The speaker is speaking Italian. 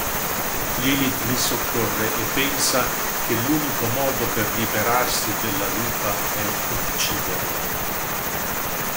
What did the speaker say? Lilith li soccorre e pensa che l'unico modo per liberarsi della lupa è ucciderla.